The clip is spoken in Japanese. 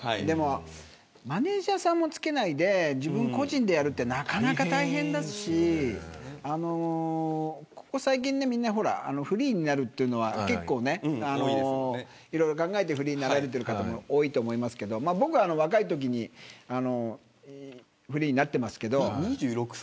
でも、マネジャーさんも付けないで自分個人でやるってなかなか大変だし、ここ最近みんなフリーになるというのは結構いろいろ考えてフリーになられてる方も多いと思いますけど僕は、まあ若いときにフリーになってますけど。